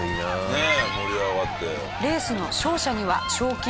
ねえ盛り上がって。